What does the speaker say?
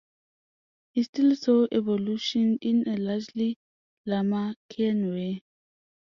He still saw evolution in a largely Lamarckian way.